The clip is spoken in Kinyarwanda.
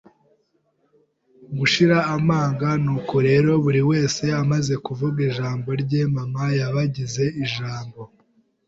gushira amanga; nuko rero buri wese amaze kuvuga ijambo rye, mama yabagize ijambo.